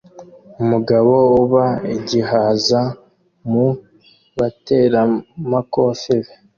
Umugabo uba igihaza mu bateramakofe be